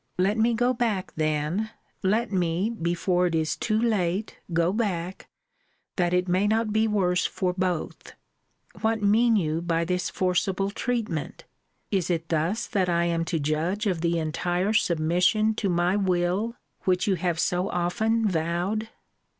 Let me go back, then let me, before it is too late, go back, that it may not be worse for both What mean you by this forcible treatment? Is it thus that I am to judge of the entire submission to my will which you have so often vowed?